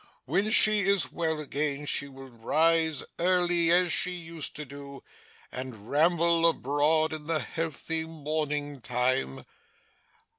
When she is well again, she will rise early, as she used to do, and ramble abroad in the healthy morning time.